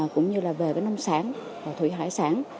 cũng như về nông sản thủy hải sản